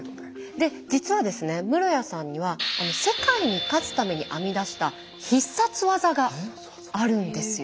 で実はですね室屋さんには世界に勝つために編み出した必殺技があるんですよ。